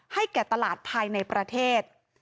แก่ตลาดภายในประเทศ